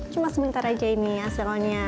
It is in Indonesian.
cuma sebentar aja ini hasilnya